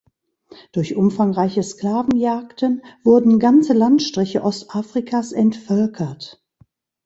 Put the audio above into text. Durch umfangreiche Sklavenjagden wurden ganze Landstriche Ostafrikas entvölkert.